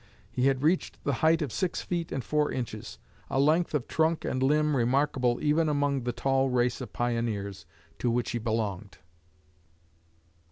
He had reached the height of six feet and four inches, a length of trunk and limb remarkable even among the tall race of pioneers to which he belonged.